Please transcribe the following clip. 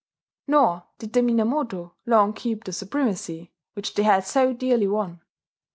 Nor did the Minamoto long keep the supremacy which they had so dearly won.